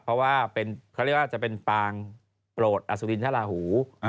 เพราะว่าเขาเรียกว่าจะเป็นปางโปรดอสุรินทราหู